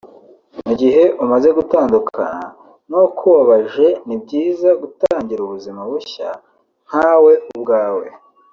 Mu gihe umaze gutandukana n’uwakubabaje ni byiza gutangira ubuzima bushya nkawe ubwawe